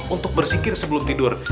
untuk bersikir sebelum tidur